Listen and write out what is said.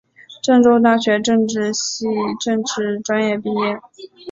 郑州大学政治系政治专业毕业。